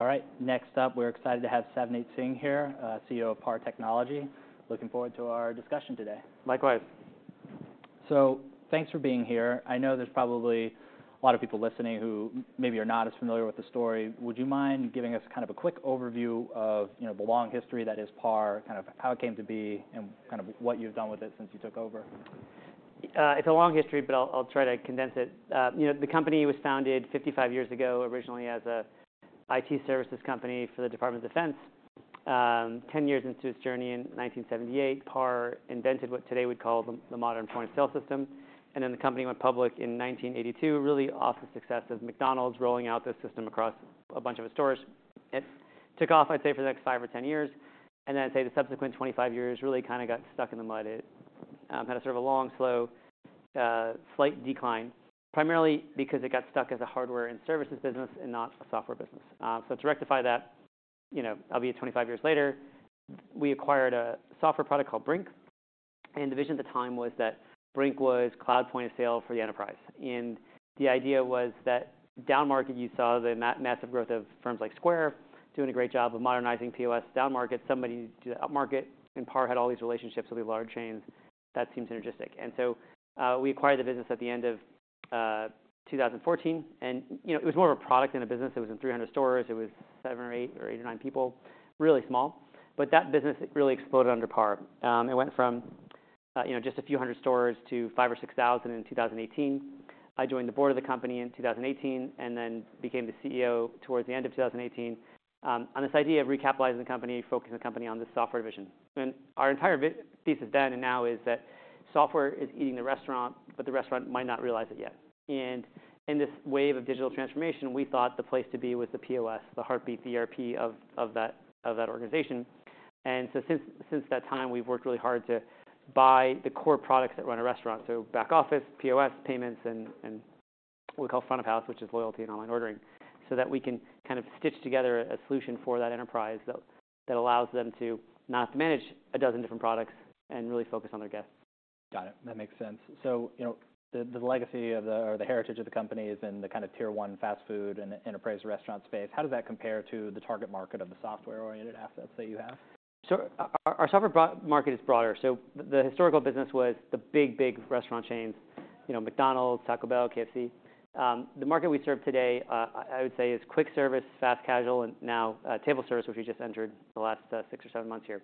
All right, next up, we're excited to have Savneet Singh here, CEO of PAR Technology. Looking forward to our discussion today. Likewise. So thanks for being here. I know there's probably a lot of people listening who maybe are not as familiar with the story. Would you mind giving us kind of a quick overview of, you know, the long history that is PAR, kind of how it came to be, and kind of what you've done with it since you took over? It's a long history, but I'll, I'll try to condense it. You know, the company was founded 55 years ago, originally as an IT services company for the Department of Defense. 10 years into its journey in 1978, PAR invented what today we'd call the, the modern point-of-sale system, and then the company went public in 1982, really off the success of McDonald's rolling out this system across a bunch of its stores. It took off, I'd say, for the next five or 10 years, and then I'd say the subsequent 25 years, really kind of got stuck in the mud. It had a sort of a long, slow, slight decline, primarily because it got stuck as a hardware and services business and not a software business. So to rectify that, you know, obviously, 25 years later, we acquired a software product called Brink, and the vision at the time was that Brink was cloud point of sale for the enterprise. And the idea was that downmarket, you saw the massive growth of firms like Square doing a great job of modernizing POS downmarket, somebody to do the upmarket, and PAR had all these relationships with these large chains. That seemed synergistic. And so, we acquired the business at the end of 2014, and, you know, it was more of a product than a business. It was in 300 stores. It was seven or eight or eight or nine people, really small. But that business, it really exploded under PAR. It went from, you know, just a few hundred stores to 5000 or 6000 in 2018. I joined the board of the company in 2018, and then became the CEO towards the end of 2018, on this idea of recapitalizing the company, focusing the company on the software vision. Our entire vision thesis then and now is that software is eating the restaurant, but the restaurant might not realize it yet. In this wave of digital transformation, we thought the place to be was the POS, the heartbeat, the ERP of that organization. Since that time, we've worked really hard to buy the core products that run a restaurant, so back office, POS, payments, and what we call front of house, which is loyalty and online ordering, so that we can kind of stitch together a solution for that enterprise that allows them to not have to manage a dozen different products and really focus on their guests. Got it. That makes sense. So, you know, the legacy of the or the heritage of the companies and the kind of tier one fast food and enterprise restaurant space, how does that compare to the target market of the software-oriented assets that you have? So our software market is broader. So the historical business was the big, big restaurant chains, you know, McDonald's, Taco Bell, KFC. The market we serve today, I would say, is quick service, fast casual, and now table service, which we just entered the last six or seven months here.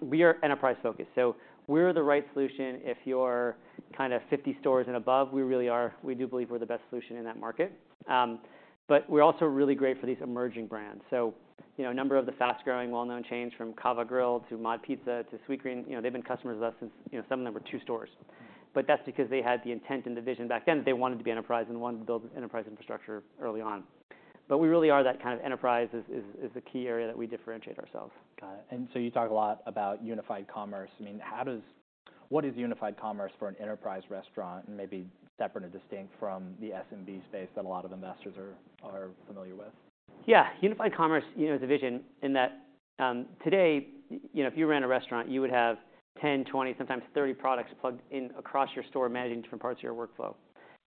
We are enterprise focused, so we're the right solution if you're kind of 50 stores and above. We really are. We do believe we're the best solution in that market. But we're also really great for these emerging brands. So, you know, a number of the fast-growing, well-known chains, from Cava Grill to MOD Pizza to Sweetgreen, you know, they've been customers with us since, you know, some of them were two stores. But that's because they had the intent and the vision back then, that they wanted to be an enterprise and wanted to build an enterprise infrastructure early on. But we really are that kind of enterprise. Is the key area that we differentiate ourselves. Got it. And so you talk a lot about unified commerce. I mean, what is unified commerce for an enterprise restaurant, and maybe separate or distinct from the SMB space that a lot of investors are familiar with? Yeah, unified commerce, you know, the vision in that, today, you know, if you ran a restaurant, you would have 10, 20, sometimes 30 products plugged in across your store, managing different parts of your workflow.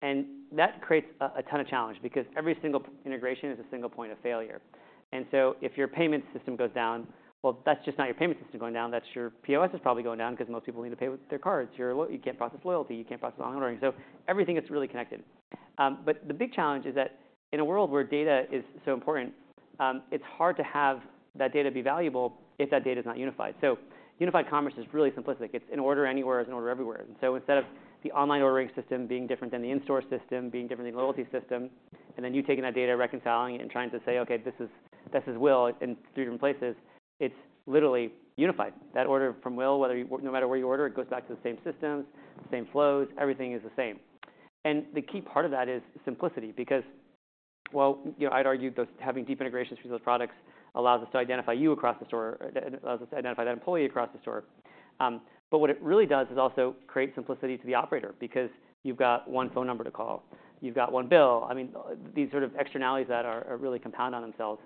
And that creates a ton of challenge because every single integration is a single point of failure. And so if your payment system goes down, well, that's just not your payment system going down, that's your POS is probably going down because most people need to pay with their cards. You can't process loyalty, you can't process online ordering. So everything is really connected. But the big challenge is that in a world where data is so important, it's hard to have that data be valuable if that data is not unified. So unified commerce is really simplistic. It's an order anywhere is an order everywhere. And so instead of the online ordering system being different than the in-store system being different than the loyalty system, and then you taking that data, reconciling it, and trying to say, "Okay, this is, this is Will in three different places," it's literally unified. That order from Will, whether you, no matter where you order, it goes back to the same systems, same flows, everything is the same. And the key part of that is simplicity, because, well, you know, I'd argue that having deep integrations between those products allows us to identify you across the store, allows us to identify that employee across the store. But what it really does is also create simplicity to the operator, because you've got one phone number to call. You've got one bill. I mean, these sort of externalities that are, are really compound on themselves.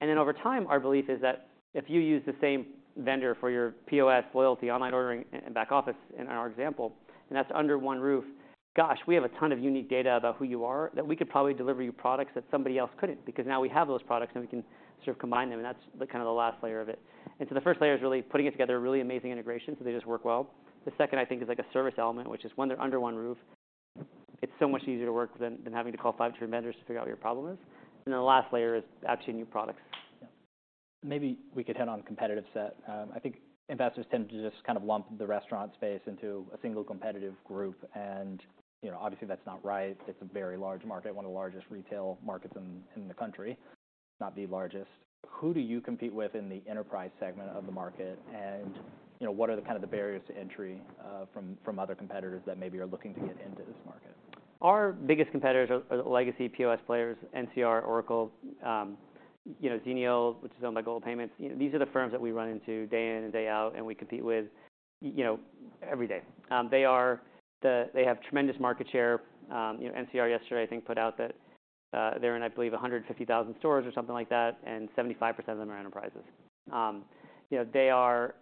And then over time, our belief is that if you use the same vendor for your POS, loyalty, online ordering, and back office, in our example, and that's under one roof, gosh, we have a ton of unique data about who you are that we could probably deliver you products that somebody else couldn't, because now we have those products, and we can sort of combine them, and that's the kind of the last layer of it. And so the first layer is really putting it together, a really amazing integration, so they just work well. The second, I think, is like a service element, which is when they're under one roof, it's so much easier to work than having to call five different vendors to figure out what your problem is. And then the last layer is actually new products. Yeah. Maybe we could hit on competitive set. I think investors tend to just kind of lump the restaurant space into a single competitive group, and, you know, obviously, that's not right. It's a very large market, one of the largest retail markets in the country, not the largest. Who do you compete with in the enterprise segment of the market? And, you know, what are the kind of the barriers to entry, from other competitors that maybe are looking to get into this market? Our biggest competitors are the legacy POS players, NCR, Oracle, you know, Xenial, which is owned by Global Payments. You know, these are the firms that we run into day in and day out, and we compete with, you know, every day. They have tremendous market share. You know, NCR yesterday, I think, put out that they're in, I believe, 150,000 stores or something like that, and 75% of them are enterprises. You know, they are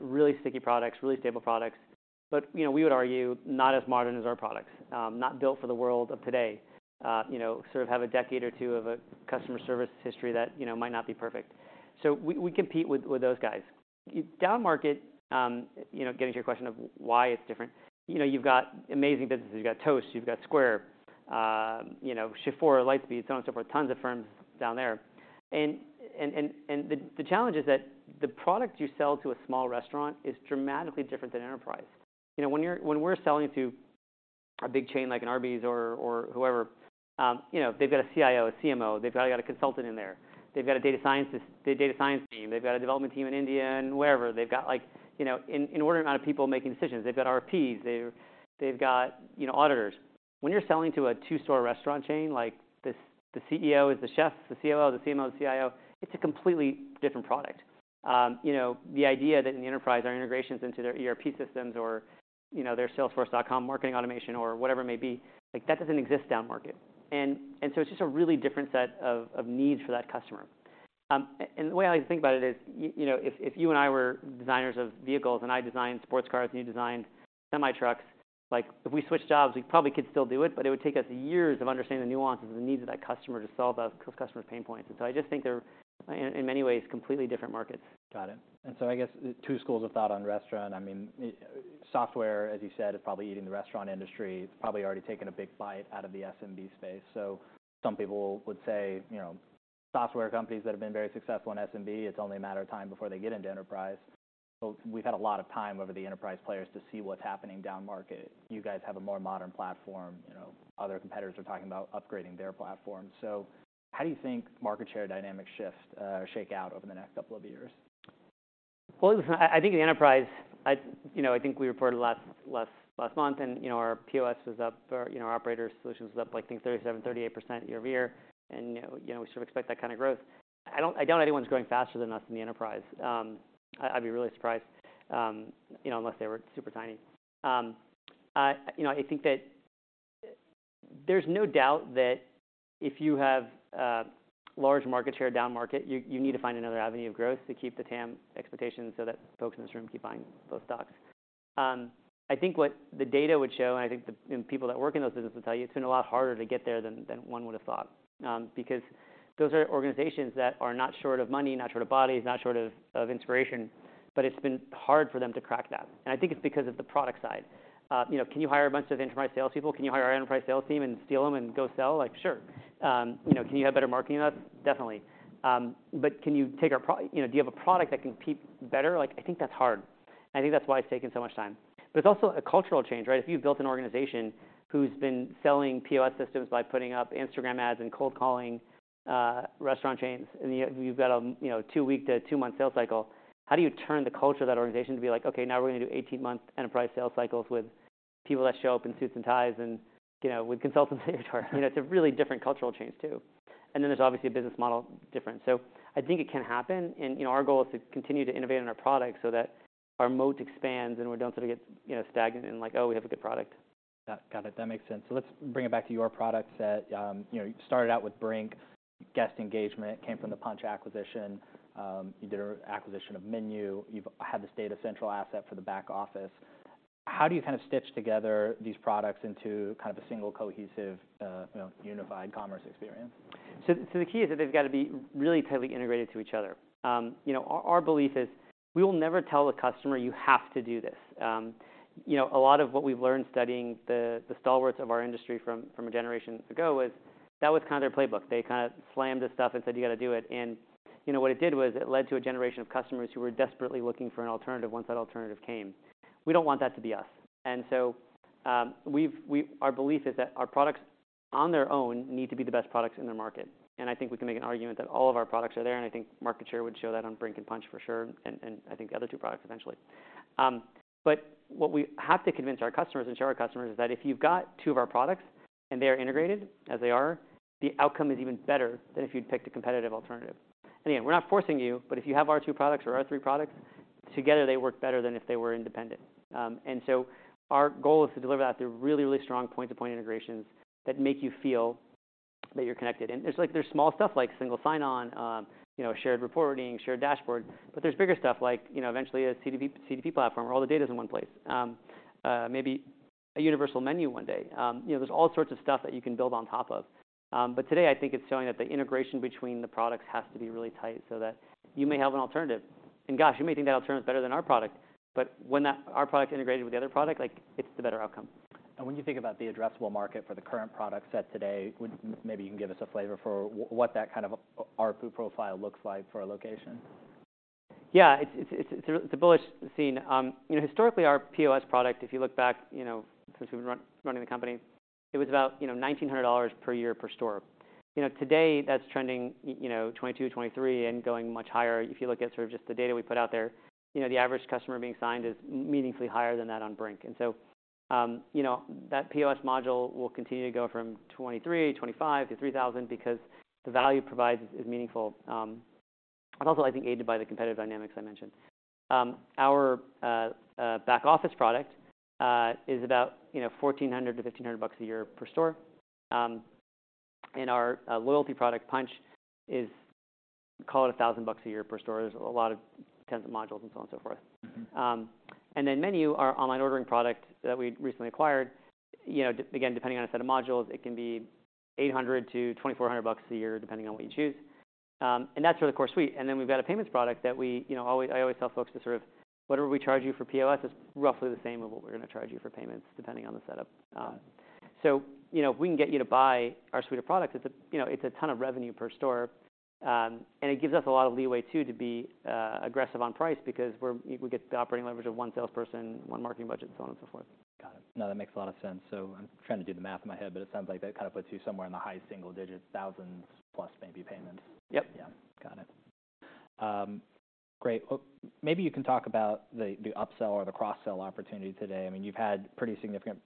really sticky products, really stable products, but you know, we would argue not as modern as our products, not built for the world of today. You know, sort of have a decade or two of a customer service history that, you know, might not be perfect. So we compete with those guys. Down market, you know, getting to your question of why it's different, you know, you've got amazing businesses. You've got Toast, you've got Square, you know, Shift4, Lightspeed, so on and so forth, tons of firms down there. And the challenge is that the product you sell to a small restaurant is dramatically different than enterprise. You know, when we're selling to a big chain like an Arby’s or whoever, you know, they've got a CIO, a CMO, they've probably got a consultant in there. They've got a data science, a data science team. They've got a development team in India and wherever. They've got like, you know, an inordinate amount of people making decisions. They've got RPs, they've got, you know, auditors. When you're selling to a two-store restaurant chain, like, the CEO is the chef, the COO, the CMO, the CIO, it's a completely different product. You know, the idea that in the enterprise, our integrations into their ERP systems or, you know, their Salesforce.com marketing automation or whatever it may be, like, that doesn't exist down market. And so it's just a really different set of needs for that customer. And the way I like to think about it is, you know, if you and I were designers of vehicles, and I designed sports cars, and you designed semi-trucks, like, if we switched jobs, we probably could still do it, but it would take us years of understanding the nuances and the needs of that customer to solve those customer's pain points. I just think they're in many ways completely different markets. Got it. And so I guess two schools of thought on restaurant. I mean, software, as you said, is probably eating the restaurant industry. It's probably already taken a big bite out of the SMB space. So some people would say, you know, software companies that have been very successful in SMB, it's only a matter of time before they get into enterprise. So we've had a lot of time over the enterprise players to see what's happening down market. You guys have a more modern platform, you know, other competitors are talking about upgrading their platform. So how do you think market share dynamics shift, or shake out over the next couple of years? Well, listen, I think in enterprise, you know, I think we reported last month, and, you know, our POS was up, or, you know, our operator solutions was up, like, I think 37%-38% year-over-year, and, you know, you know, we sort of expect that kind of growth. I doubt anyone's growing faster than us in the enterprise. I'd be really surprised, you know, unless they were super tiny. You know, I think that there's no doubt that if you have large market share down market, you need to find another avenue of growth to keep the TAM expectations so that folks in this room keep buying those stocks. I think what the data would show, and I think people that work in those businesses will tell you, it's been a lot harder to get there than one would have thought, because those are organizations that are not short of money, not short of bodies, not short of inspiration, but it's been hard for them to crack that. And I think it's because of the product side. You know, can you hire a bunch of enterprise sales people? Can you hire our enterprise sales team and steal them and go sell? Like, sure. You know, can you have better marketing than us? Definitely. But can you take our pro, you know, do you have a product that can compete better? Like, I think that's hard, and I think that's why it's taken so much time. But it's also a cultural change, right? If you've built an organization who's been selling POS systems by putting up Instagram ads and cold calling restaurant chains, and you, you've got a, you know, two-week to a two-month sales cycle, how do you turn the culture of that organization to be like, "Okay, now we're going to do 18-month enterprise sales cycles with people that show up in suits and ties and, you know, with consultants in tow?" You know, it's a really different cultural change, too. And then there's obviously a business model difference. So I think it can happen, and, you know, our goal is to continue to innovate on our product so that our moat expands and we don't sort of get, you know, stagnant and like, "Oh, we have a good product. Got it. That makes sense. So let's bring it back to your product set. You know, you started out with Brink, guest engagement came from the Punchh acquisition, you did an acquisition of MENU, you've had this Data Central asset for the back office. How do you kind of stitch together these products into kind of a single, cohesive, you know, Unified Commerce experience? So the key is that they've got to be really tightly integrated to each other. You know, our belief is, we will never tell a customer, "You have to do this." You know, a lot of what we've learned studying the stalwarts of our industry from a generation ago was that kind of their playbook. They kind of slammed the stuff and said, "You got to do it." And, you know, what it did was, it led to a generation of customers who were desperately looking for an alternative once that alternative came. We don't want that to be us. Our belief is that our products on their own need to be the best products in their market, and I think we can make an argument that all of our products are there, and I think market share would show that on Brink and Punchh for sure, and I think the other two products eventually. But what we have to convince our customers and show our customers is that if you've got two of our products and they are integrated, as they are, the outcome is even better than if you'd picked a competitive alternative. And again, we're not forcing you, but if you have our two products or our three products, together, they work better than if they were independent. Our goal is to deliver that through really, really strong point-to-point integrations that make you feel that you're connected. There's, like, there's small stuff like single sign-on, you know, shared reporting, shared dashboard, but there's bigger stuff like, you know, eventually a CDP, CDP platform where all the data's in one place. Maybe a universal menu one day. You know, there's all sorts of stuff that you can build on top of. But today, I think it's showing that the integration between the products has to be really tight so that you may have an alternative, and gosh, you may think that alternative is better than our product, but when that— our product integrated with the other product, like, it's the better outcome. When you think about the addressable market for the current product set today, would... Maybe you can give us a flavor for what that kind of ARPU profile looks like for a location? Yeah, it's a bullish scene. You know, historically, our POS product, if you look back, you know, since we've been running the company, it was about, you know, $1,900 per year per store. You know, today, that's trending $2,200-$2,300 and going much higher. If you look at sort of just the data we put out there, you know, the average customer being signed is meaningfully higher than that on Brink. And so, you know, that POS module will continue to go from $2,300-$2,500 to $3,000 because the value provided is meaningful, and also, I think, aided by the competitive dynamics I mentioned. Our back office product is about, you know, $1,400-$1,500 bucks a year per store. And our loyalty product, Punchh, is... Call it $1,000 a year per store. There's a lot of tens of modules and so on and so forth. And then Menu, our online ordering product that we recently acquired, you know, again, depending on a set of modules, it can be $800-$2,400 a year, depending on what you choose. And that's for the core suite. And then we've got a payments product that we, you know, I always, I always tell folks to sort of, whatever we charge you for POS is roughly the same of what we're gonna charge you for payments, depending on the setup. So, you know, if we can get you to buy our suite of products, it's a, you know, it's a ton of revenue per store, and it gives us a lot of leeway, too, to be aggressive on price because we get the operating leverage of one salesperson, one marketing budget, so on and so forth. Got it. No, that makes a lot of sense. So I'm trying to do the math in my head, but it sounds like that kind of puts you somewhere in the high single digits, thousands plus maybe payments. Yep. Yeah. Got it. Great. Well, maybe you can talk about the upsell or the cross-sell opportunity today. I mean, you've had pretty significant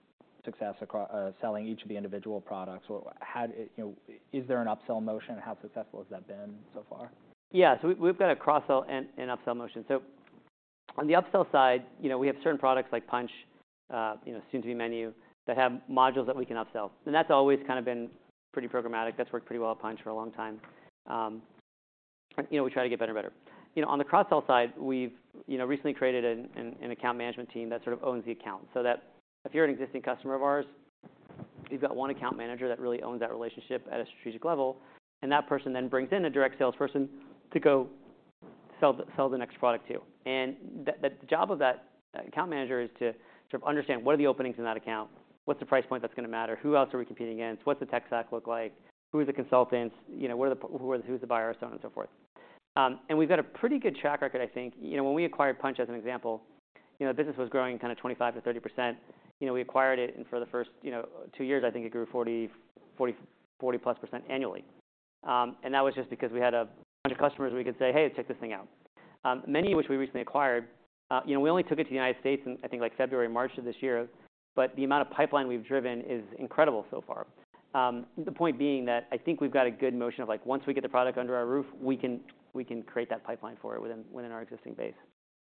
success across selling each of the individual products. Well, how, you know, is there an upsell motion, and how successful has that been so far? Yeah. So we've got a cross-sell and upsell motion. So on the upsell side, you know, we have certain products like Punchh, you know, soon to be Menu, that have modules that we can upsell, and that's always kind of been pretty programmatic. That's worked pretty well at Punchh for a long time. You know, we try to get better and better. You know, on the cross-sell side, we've you know, recently created an account management team that sort of owns the account, so that if you're an existing customer of ours, you've got one account manager that really owns that relationship at a strategic level, and that person then brings in a direct salesperson to go sell the next product to. That, that job of that account manager is to sort of understand what are the openings in that account, what's the price point that's gonna matter, who else are we competing against, what's the tech stack look like, who are the consultants, you know, what are the- who are, who's the buyer, so on and so forth. And we've got a pretty good track record, I think. You know, when we acquired Punchh, as an example, you know, the business was growing kind of 25%-30%. You know, we acquired it, and for the first, you know, two years, I think it grew 40%, 40%, +40% annually. And that was just because we had a bunch of customers, we could say, "Hey, check this thing out." Many of which we recently acquired. You know, we only took it to the United States in, I think, like, February, March of this year, but the amount of pipeline we've driven is incredible so far. The point being that I think we've got a good motion of, like, once we get the product under our roof, we can create that pipeline for it within our existing base.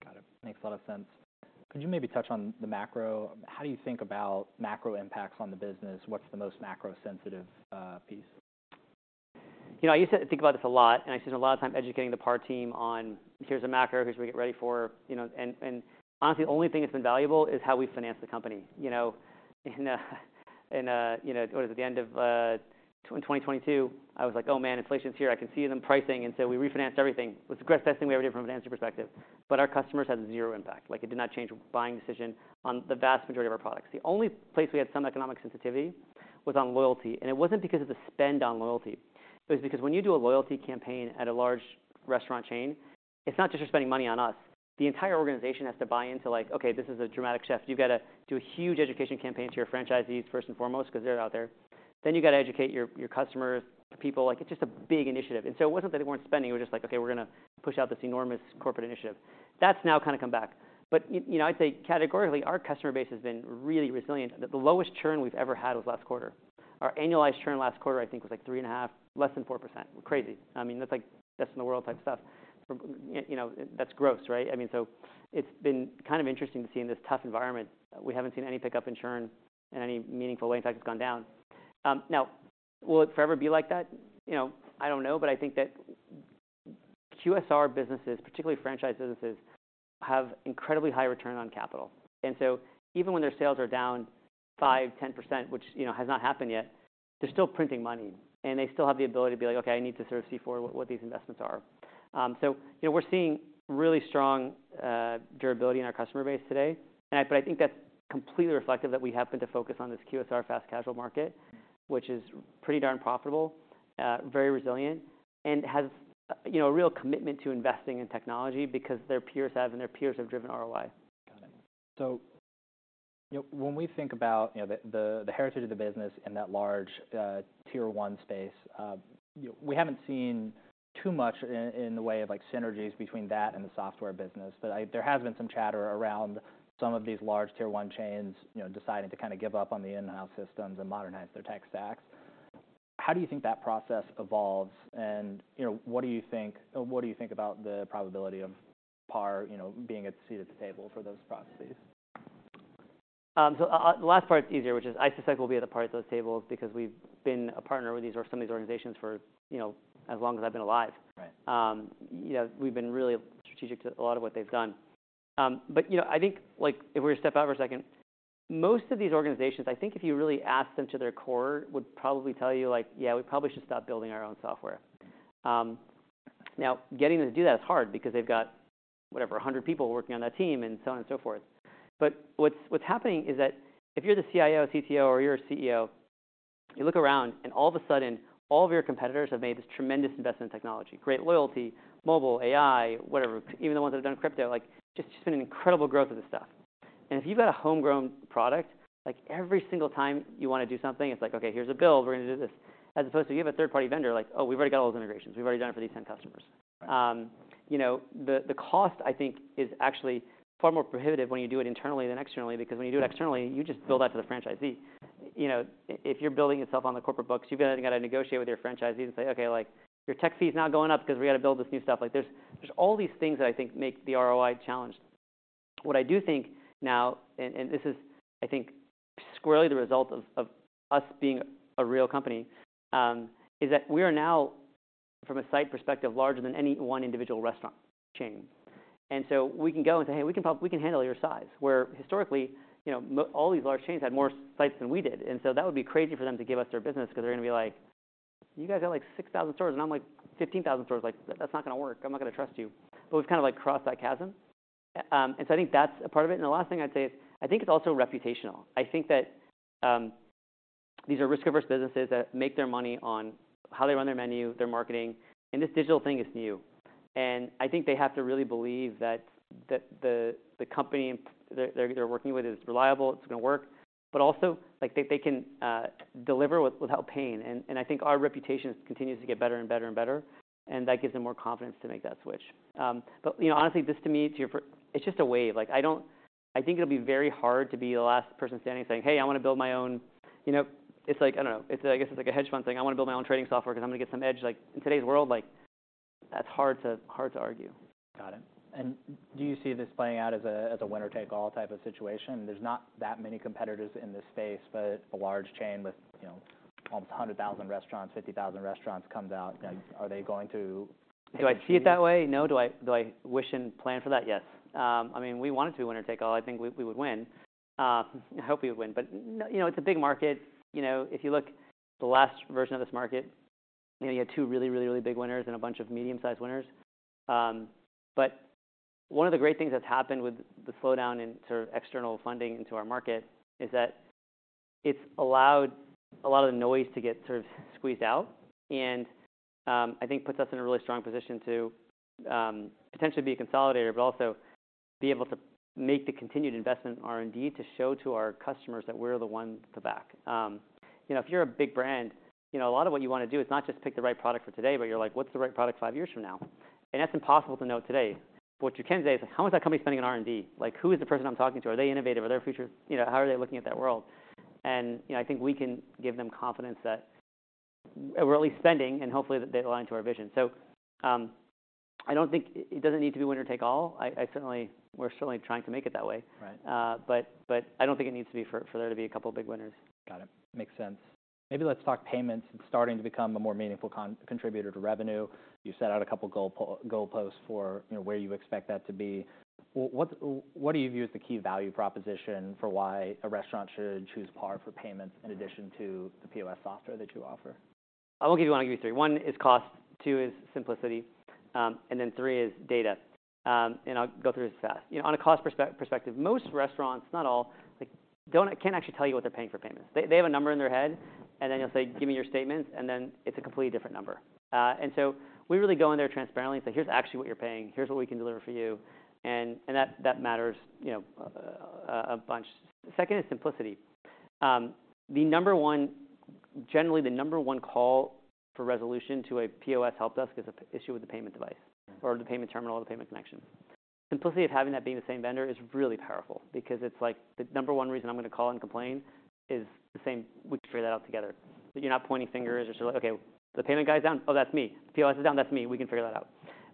Got it. Makes a lot of sense. Could you maybe touch on the macro? How do you think about macro impacts on the business? What's the most macro sensitive piece? You know, I used to think about this a lot, and I spent a lot of time educating the PAR team on here's the macro, here's what we get ready for, you know, and, and honestly, the only thing that's been valuable is how we finance the company. You know, in, in, you know, it was at the end of, in 2022, I was like: Oh, man, inflation's here. I can see it in pricing. And so we refinanced everything. It was the best thing we ever did from a financial perspective, but our customers had zero impact. Like, it did not change buying decision on the vast majority of our products. The only place we had some economic sensitivity was on loyalty, and it wasn't because of the spend on loyalty. It was because when you do a loyalty campaign at a large restaurant chain, it's not just you're spending money on us. The entire organization has to buy into, like, okay, this is a dramatic shift. You've got to do a huge education campaign to your franchisees first and foremost, because they're out there. Then you got to educate your, your customers, people, like, it's just a big initiative. And so it wasn't that they weren't spending. We were just like, "Okay, we're gonna push out this enormous corporate initiative." That's now kind of come back. But you know, I'd say categorically, our customer base has been really resilient. The lowest churn we've ever had was last quarter. Our annualized churn last quarter, I think, was like 3.5%, less than 4%. Crazy. I mean, that's like best in the world type stuff. From, you know, that's gross, right? I mean, so it's been kind of interesting to see in this tough environment. We haven't seen any pickup in churn in any meaningful way. In fact, it's gone down. Now, will it forever be like that? You know, I don't know, but I think that QSR businesses, particularly franchise businesses, have incredibly high return on capital, and so even when their sales are down 5%-10%, which, you know, has not happened yet, they're still printing money, and they still have the ability to be like, "Okay, I need to sort of see for what these investments are." So you know, we're seeing really strong durability in our customer base today, and, but I think that's completely reflective that we happen to focus on this QSR fast casual market, which is pretty darn profitable, very resilient, and has, you know, a real commitment to investing in technology because their peers have and their peers have driven ROI. Got it. So, you know, when we think about, you know, the heritage of the business in that large tier one space, you know, we haven't seen too much in the way of, like, synergies between that and the software business, but I... There has been some chatter around some of these large tier one chains, you know, deciding to kind of give up on the in-house systems and modernize their tech stacks. How do you think that process evolves, and, you know, what do you think, what do you think about the probability of PAR, you know, being a seat at the table for those processes? So, the last part's easier, which is, I suspect we'll be at the part of those tables because we've been a partner with these or some of these organizations for, you know, as long as I've been alive. Right. You know, we've been really strategic to a lot of what they've done. But, you know, I think, like, if we were to step out for a second, most of these organizations, I think if you really ask them to their core, would probably tell you, like: Yeah, we probably should stop building our own software. Now, getting them to do that is hard because they've got, whatever, 100 people working on that team and so on and so forth. But what's, what's happening is that if you're the CIO, CTO, or you're a CEO, you look around, and all of a sudden, all of your competitors have made this tremendous investment in technology, great loyalty, mobile, AI, whatever, even the ones that have done crypto, like, just, just been an incredible growth of this stuff. If you've got a homegrown product, like, every single time you want to do something, it's like: Okay, here's a build, we're gonna do this. As opposed to if you have a third-party vendor, like: Oh, we've already got all those integrations. We've already done it for these 10 customers. Right. You know, the cost, I think, is actually far more prohibitive when you do it internally than externally, because when you do it externally, you just bill that to the franchisee. You know, if you're building this stuff on the corporate books, you've then got to negotiate with your franchisees and say: Okay, like, your tech fee is now going up because we got to build this new stuff. Like, there's all these things that I think make the ROI challenged. What I do think now, and this is, I think, squarely the result of us being a real company, is that we are now, from a site perspective, larger than any one individual restaurant chain. And so we can go and say, "Hey, we can handle your size." Where historically, you know, all these large chains had more sites than we did, and so that would be crazy for them to give us their business because they're gonna be like, "You guys have, like, 6,000 stores," and I'm like, "15,000 stores." Like, "That's not gonna work. I'm not gonna trust you." But we've kind of, like, crossed that chasm. And so I think that's a part of it. And the last thing I'd say is, I think it's also reputational. I think that these are risk-averse businesses that make their money on how they run their menu, their marketing, and this digital thing is new. I think they have to really believe that the company they're working with is reliable, it's gonna work, but also, like, they can deliver without pain. I think our reputation continues to get better and better and better, and that gives them more confidence to make that switch. You know, honestly, this to me, to your pr- it's just a wave. Like, I don't I think it'll be very hard to be the last person standing saying, "Hey, I want to build my own..." You know, it's like, I guess it's like a hedge fund thing. "I wanna build my own trading software because I'm gonna get some edge." Like, in today's world, like, that's hard to argue. Got it. And do you see this playing out as a, as a winner-take-all type of situation? There's not that many competitors in this space, but a large chain with, you know, almost 100,000 restaurants, 50,000 restaurants comes out, and are they going to- Do I see it that way? No. Do I, do I wish and plan for that? Yes. I mean, we want it to be winner take all. I think we, we would win. I hope we would win, but you know, it's a big market. You know, if you look the last version of this market, you know, you had two really, really, really big winners and a bunch of medium-sized winners. But one of the great things that's happened with the slowdown in sort of external funding into our market is that it's allowed a lot of the noise to get sort of squeezed out, and I think puts us in a really strong position to potentially be a consolidator, but also be able to make the continued investment in R&D to show to our customers that we're the ones to back. You know, if you're a big brand, you know, a lot of what you want to do is not just pick the right product for today, but you're like, "What's the right product five years from now?" And that's impossible to know today. What you can say is, "How much that company spending on R&D? Like, who is the person I'm talking to? Are they innovative? Are their future... You know, how are they looking at that world?" And, you know, I think we can give them confidence that we're at least spending, and hopefully, that they align to our vision. So, I don't think- it doesn't need to be winner take all. I certainly- we're certainly trying to make it that way. Right. But I don't think it needs to be for there to be a couple of big winners. Got it. Makes sense. Maybe let's talk payments. It's starting to become a more meaningful contributor to revenue. You set out a couple goalposts for, you know, where you expect that to be. What, what do you view as the key value proposition for why a restaurant should choose PAR for payments in addition to the POS software that you offer? I will give you one, give you three. One is cost, two is simplicity, and then three is data. And I'll go through this fast. You know, on a cost perspective, most restaurants, not all, like, don't... can't actually tell you what they're paying for payments. They, they have a number in their head, and then you'll say, "Give me your statements," and then it's a completely different number. And so we really go in there transparently and say, "Here's actually what you're paying. Here's what we can deliver for you," and, and that, that matters, you know, a bunch. Second is simplicity. The number one- generally, the number one call for resolution to a POS help desk is a issue with the payment device- or the payment terminal or the payment connection. Simplicity of having that being the same vendor is really powerful because it's like, the number one reason I'm going to call and complain is the same, we can figure that out together. You're not pointing fingers. You're just like: "Okay, the payment guy's down? Oh, that's me. POS is down, that's me. We can figure that out."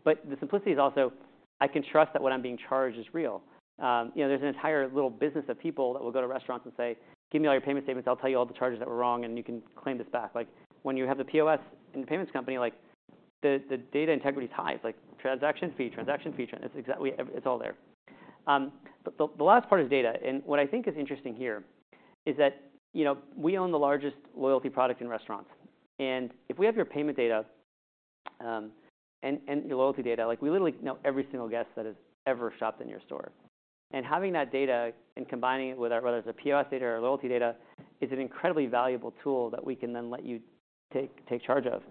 But the simplicity is also, I can trust that what I'm being charged is real. You know, there's an entire little business of people that will go to restaurants and say, "Give me all your payment statements. I'll tell you all the charges that were wrong, and you can claim this back." Like, when you have the POS and the payments company, like, the data integrity is high. It's like transaction fee, transaction fee, transaction fee. It's exactly... It's all there. But the last part is data, and what I think is interesting here is that, you know, we own the largest loyalty product in restaurants. And if we have your payment data, and your loyalty data, like, we literally know every single guest that has ever shopped in your store. And having that data and combining it, whether it's POS data or loyalty data, is an incredibly valuable tool that we can then let you take charge of.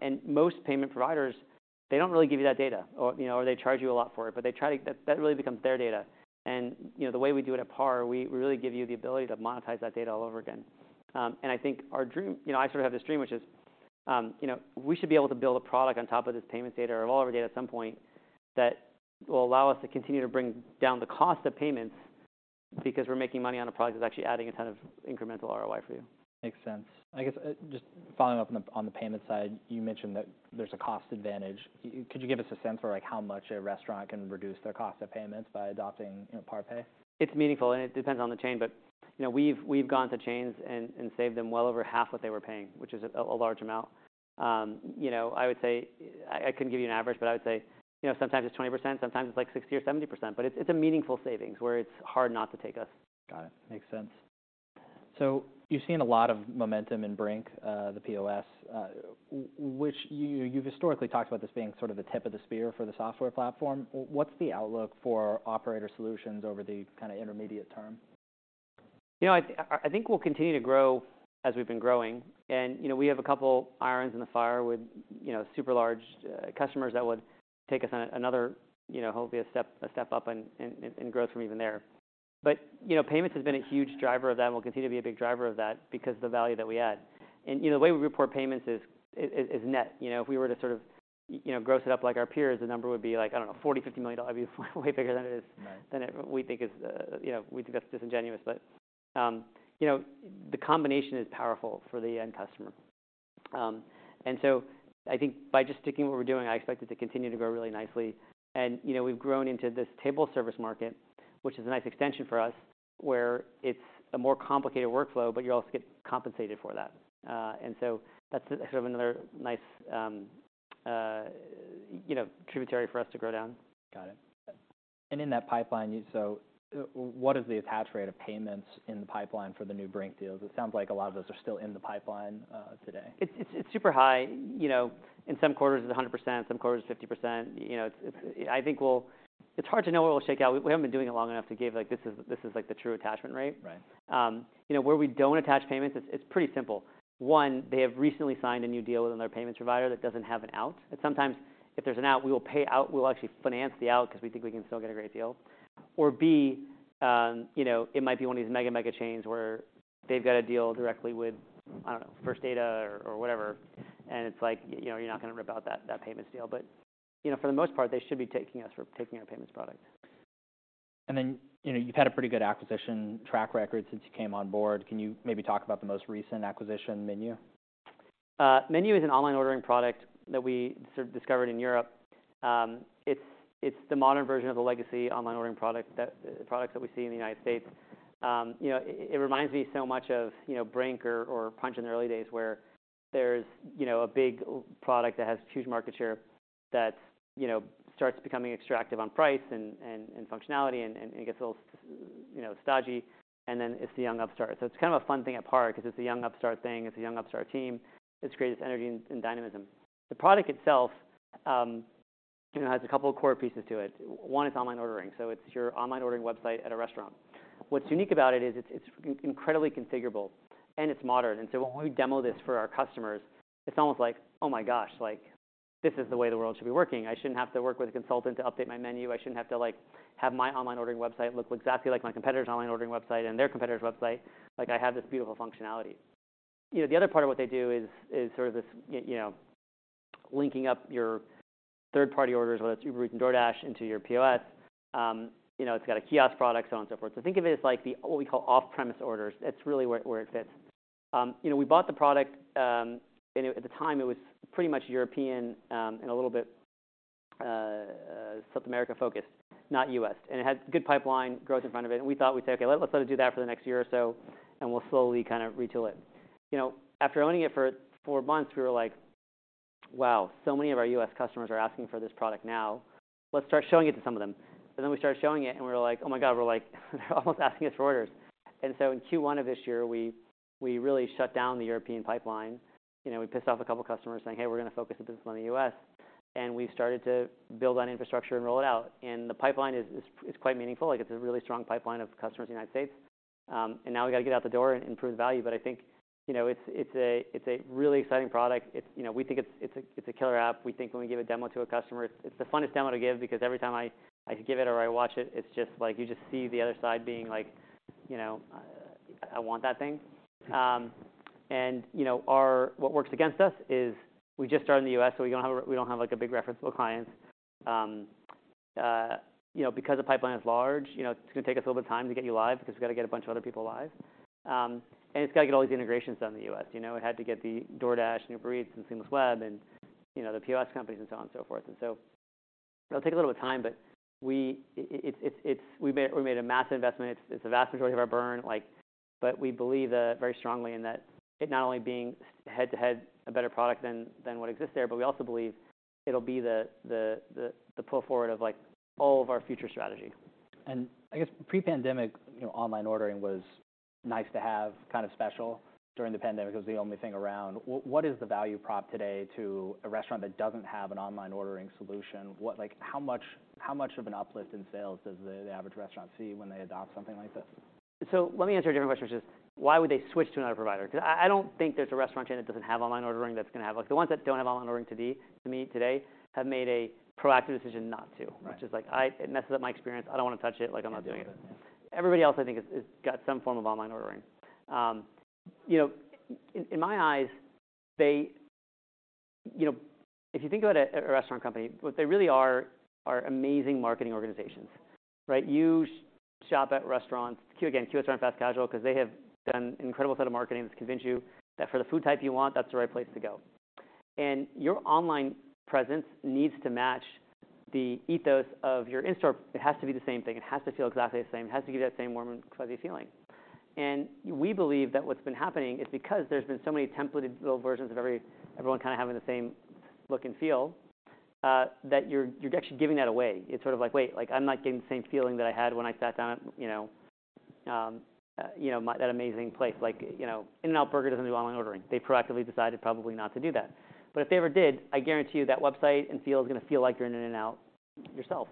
And most payment providers, they don't really give you that data or, you know, or they charge you a lot for it, but they try to. That really becomes their data. And, you know, the way we do it at PAR, we really give you the ability to monetize that data all over again. I think our dream. You know, I sort of have this dream, which is, you know, we should be able to build a product on top of this payment data or all of our data at some point that will allow us to continue to bring down the cost of payments because we're making money on a product that's actually adding a ton of incremental ROI for you. Makes sense. I guess, just following up on the, on the payment side, you mentioned that there's a cost advantage. Could you give us a sense for, like, how much a restaurant can reduce their cost of payments by adopting, you know, PAR Pay? It's meaningful, and it depends on the chain, but, you know, we've gone to chains and saved them well over half what they were paying, which is a large amount. You know, I would say... I couldn't give you an average, but I would say, you know, sometimes it's 20%, sometimes it's like 60% or 70%, but it's a meaningful savings where it's hard not to take us. Got it. Makes sense. So you've seen a lot of momentum in Brink, the POS, which you've historically talked about this being sort of the tip of the spear for the software platform. What's the outlook for operator solutions over the kind of intermediate term? You know, I think we'll continue to grow as we've been growing. And, you know, we have a couple irons in the fire with, you know, super large customers that would take us on another, you know, hopefully a step, a step up in growth from even there. But, you know, payments has been a huge driver of that and will continue to be a big driver of that because of the value that we add. And, you know, the way we report payments is net. You know, if we were to sort of, you know, gross it up like our peers, the number would be like, I don't know, $40 million-$50 million. It'd be way bigger than it is- Right... than we think is, you know, we think that's disingenuous. But, you know, the combination is powerful for the end customer.... And so I think by just sticking with what we're doing, I expect it to continue to grow really nicely. And, you know, we've grown into this table service market, which is a nice extension for us, where it's a more complicated workflow, but you also get compensated for that. And so that's sort of another nice, you know, tributary for us to grow down. Got it. In that pipeline, you—so what is the attach rate of payments in the pipeline for the new Brink deals? It sounds like a lot of those are still in the pipeline today. It's super high. You know, in some quarters, it's 100%, some quarters, 50%. You know, it's—I think we'll—it's hard to know what will shake out. We haven't been doing it long enough to give, like, this is, this is, like, the true attachment rate. Right. You know, where we don't attach payments, it's pretty simple. One, they have recently signed a new deal with another payments provider that doesn't have an out. And sometimes, if there's an out, we will pay out—we will actually finance the out because we think we can still get a great deal. Or B, you know, it might be one of these mega, mega chains where they've got a deal directly with, I don't know, First Data or whatever, and it's like, you know, you're not gonna rip out that payments deal. But, you know, for the most part, they should be taking our payments product. And then, you know, you've had a pretty good acquisition track record since you came on board. Can you maybe talk about the most recent acquisition, Menu? MENU is an online ordering product that we sort of discovered in Europe. It's the modern version of the legacy online ordering products that we see in the United States. You know, it reminds me so much of, you know, Brink or Punchh in the early days, where there's, you know, a big product that has huge market share that, you know, starts becoming extractive on price and functionality, and it gets a little, you know, stodgy, and then it's the young upstart. So it's kind of a fun thing at PAR, 'cause it's a young upstart thing, it's a young upstart team. It's created energy and dynamism. The product itself, you know, has a couple of core pieces to it. One, it's online ordering, so it's your online ordering website at a restaurant. What’s unique about it is it’s incredibly configurable and it’s modern. So when we demo this for our customers, it’s almost like, “Oh, my gosh, like, this is the way the world should be working. I shouldn’t have to work with a consultant to update my menu. I shouldn’t have to, like, have my online ordering website look exactly like my competitor’s online ordering website and their competitor’s website. Like, I have this beautiful functionality.” You know, the other part of what they do is sort of this, you know, linking up your third-party orders, whether it’s Uber Eats and DoorDash, into your POS. You know, it’s got a kiosk product, so on and so forth. So think of it as like the, what we call off-premise orders. That’s really where it fits. You know, we bought the product, and at the time, it was pretty much European, and a little bit, South America-focused, not US, and it had good pipeline growth in front of it. We thought, we said, "Okay, let's let it do that for the next year or so, and we'll slowly kind of retool it." You know, after owning it for four months, we were like, "Wow, so many of our US customers are asking for this product now. Let's start showing it to some of them." And then we started showing it, and we were like, "Oh, my God," we're like, "They're almost asking us for orders." And so in Q1 of this year, we really shut down the European pipeline. You know, we pissed off a couple of customers saying, "Hey, we're going to focus our business on the U.S." And we started to build that infrastructure and roll it out. And the pipeline is quite meaningful, like, it's a really strong pipeline of customers in the United States. And now we got to get it out the door and improve the value. But I think, you know, it's a really exciting product. It's, you know, we think it's a killer app. We think when we give a demo to a customer, it's the funnest demo to give because every time I, I give it or I watch it, it's just like you just see the other side being like, "You know, I want that thing." And you know, what works against us is we just started in the U.S., so we don't have, like, a big referenceable clients. You know, because the pipeline is large, you know, it's gonna take us a little bit of time to get you live because we got to get a bunch of other people live. And it's got to get all these integrations done in the U.S. You know, it had to get the DoorDash and Uber Eats and Seamless Web and, you know, the POS companies and so on and so forth. So it'll take a little bit of time, but we made a massive investment. It's a vast majority of our burn, like, but we believe that very strongly in that it not only being head-to-head a better product than what exists there, but we also believe it'll be the pull forward of, like, all of our future strategy. I guess pre-pandemic, you know, online ordering was nice to have, kind of special. During the pandemic, it was the only thing around. What, what is the value prop today to a restaurant that doesn't have an online ordering solution? What—like, how much, how much of an uplift in sales does the, the average restaurant see when they adopt something like this? So let me answer a different question, which is: Why would they switch to another provider? Because I, I don't think there's a restaurant chain that doesn't have online ordering that's gonna have... Like, the ones that don't have online ordering to me, to me today, have made a proactive decision not to. Right. Which is like, "It messes up my experience. I don't want to touch it, like, I'm not doing it. Yeah. Everybody else, I think, has, has got some form of online ordering. You know, in my eyes, they... You know, if you think about a, a restaurant company, what they really are, are amazing marketing organizations, right? You shop at restaurants, again, quick service and fast casual, 'cause they have done an incredible set of marketing that's convinced you that for the food type you want, that's the right place to go. And your online presence needs to match the ethos of your in-store. It has to be the same thing. It has to feel exactly the same. It has to give you that same warm and fuzzy feeling. And we believe that what's been happening is because there's been so many templated little versions of everyone kind of having the same look and feel, that you're, you're actually giving that away. It's sort of like, wait, like, I'm not getting the same feeling that I had when I sat down at, you know, you know, my-- that amazing place. Like, you know, In-N-Out Burger doesn't do online ordering. They proactively decided probably not to do that. But if they ever did, I guarantee you that website and feel is gonna feel like you're in an In-N-Out yourself.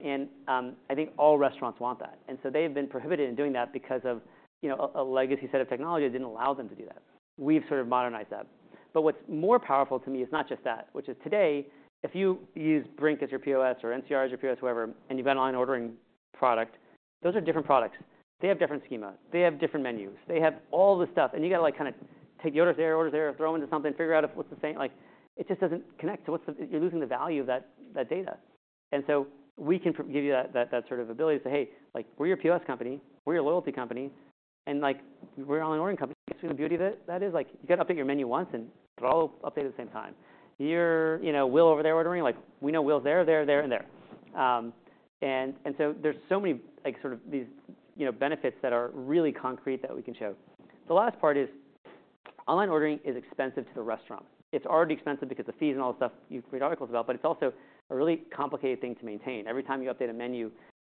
And, I think all restaurants want that, and so they've been prohibited in doing that because of, you know, a, a legacy set of technology that didn't allow them to do that. We've sort of modernized that. But what's more powerful to me is not just that, which is today, if you use Brink as your POS or NCR as your POS, whoever, and you've got an online ordering product, those are different products. They have different schemas, they have different menus, they have all this stuff, and you got to, like, kind of take your orders there, orders there, throw them into something, figure out if what's the same. Like, it just doesn't connect to what's the-- You're losing the value of that, that data. And so we can give you that, that, sort of, ability to say, "Hey, like, we're your POS company, we're your loyalty company, and, like, we're an online ordering company." You see the beauty of that, that is? Like, you've got to update your menu once, and it'll all update at the same time. Your, you know, Will over there ordering, like, we know Will's there, there, there, and there. And so there's so many, like, sort of these, you know, benefits that are really concrete that we can show. The last part is online ordering is expensive to the restaurant. It's already expensive because the fees and all the stuff you've read articles about, but it's also a really complicated thing to maintain. Every time you update a menu,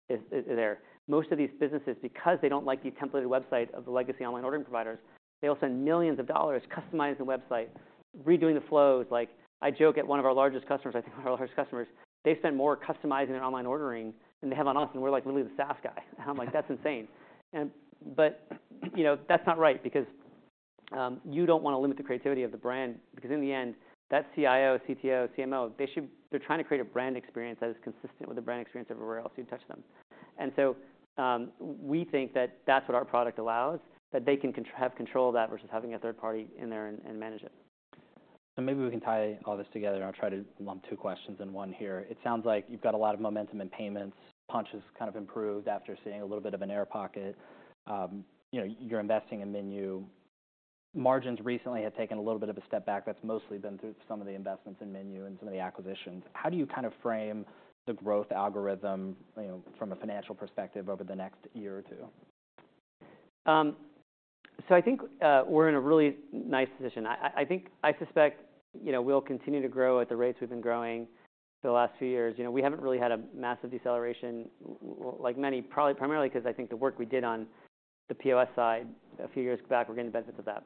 it's, it's there. Most of these businesses, because they don't like the templated website of the legacy online ordering providers, they'll spend millions of dollars customizing the website, redoing the flows. Like, I joke at one of our largest customers, I think one of our largest customers, they spent more customizing their online ordering than they have on us, and we're, like, literally the SaaS guy. I'm like, "That's insane!" But you know, that's not right because you don't want to limit the creativity of the brand, because in the end, that CIO, CTO, CMO, they should, they're trying to create a brand experience that is consistent with the brand experience everywhere else you touch them. And so, we think that that's what our product allows, that they can have control of that versus having a third party in there and manage it. So maybe we can tie all this together, and I'll try to lump two questions in one here. It sounds like you've got a lot of momentum in payments. Punchh has kind of improved after seeing a little bit of an air pocket. You know, you're investing in Menu. Margins recently have taken a little bit of a step back. That's mostly been through some of the investments in Menu and some of the acquisitions. How do you kind of frame the growth algorithm, you know, from a financial perspective over the next year or two? So I think we're in a really nice position. I suspect, you know, we'll continue to grow at the rates we've been growing for the last few years. You know, we haven't really had a massive deceleration like many, probably primarily because I think the work we did on the POS side a few years back, we're getting the benefits of that.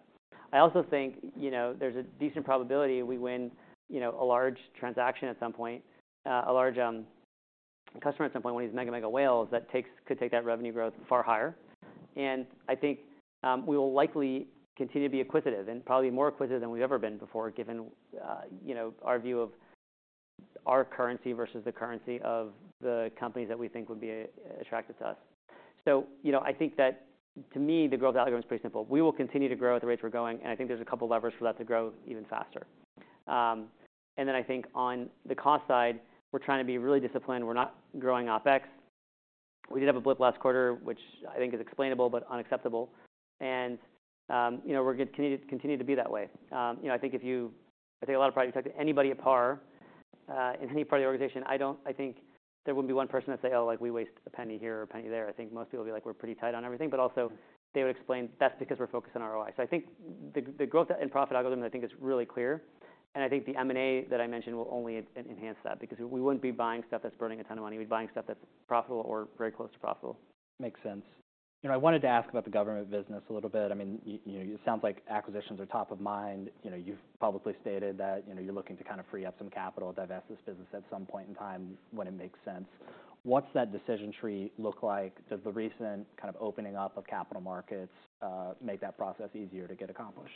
I also think, you know, there's a decent probability we win, you know, a large transaction at some point, a large customer at some point, one of these mega, mega whales that could take that revenue growth far higher. I think we will likely continue to be acquisitive, and probably more acquisitive than we've ever been before, given you know, our view of our currency versus the currency of the company that we think would be attracted to us. So, you know, I think that to me, the growth algorithm is pretty simple. We will continue to grow at the rates we're going, and I think there's a couple levers for that to grow even faster. And then I think on the cost side, we're trying to be really disciplined. We're not growing OpEx. We did have a blip last quarter, which I think is explainable but unacceptable. And, you know, we're gonna continue to be that way. You know, I think if you... I think a lot of products, anybody at PAR, in any part of the organization, I think there wouldn't be one person that'd say, "Oh, like, we wasted a penny here or a penny there." I think most people would be like, "We're pretty tight on everything," but also they would explain that's because we're focused on ROI. So I think the growth and profit algorithm, I think, is really clear, and I think the M&A that I mentioned will only enhance that, because we wouldn't be buying stuff that's burning a ton of money. We'd be buying stuff that's profitable or very close to profitable. Makes sense. You know, I wanted to ask about the government business a little bit. I mean, you know, it sounds like acquisitions are top of mind. You know, you've publicly stated that, you know, you're looking to kind of free up some capital, divest this business at some point in time when it makes sense. What's that decision tree look like? Does the recent kind of opening up of capital markets make that process easier to get accomplished?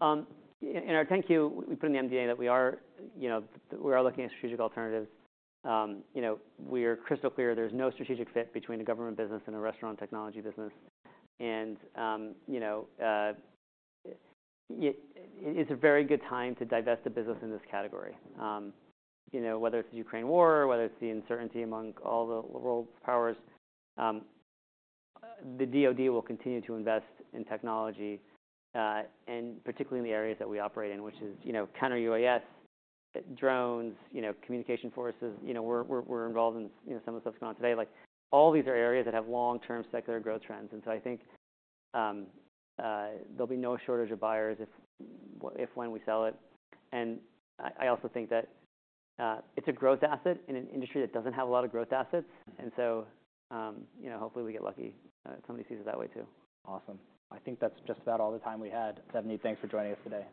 In our 10-Q, we put in the MD&A that we are, you know, we are looking at strategic alternatives. You know, we are crystal clear there's no strategic fit between a government business and a restaurant technology business. You know, it, it's a very good time to divest the business in this category. You know, whether it's the Ukraine war, whether it's the uncertainty among all the world powers, the DoD will continue to invest in technology, and particularly in the areas that we operate in, which is, you know, Counter-UAS, drones, you know, communication forces. You know, we're involved in, you know, some of the stuff that's going on today. Like, all these are areas that have long-term secular growth trends. And so I think, there'll be no shortage of buyers if, if/when we sell it. And I, I also think that, it's a growth asset in an industry that doesn't have a lot of growth assets. And so, you know, hopefully, we get lucky, somebody sees it that way, too. Awesome. I think that's just about all the time we had. Savneet, thanks for joining us today.